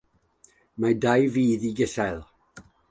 Mae dau fudd i'r gasél.